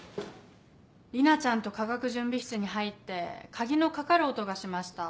里奈ちゃんと化学準備室に入って鍵のかかる音がしました。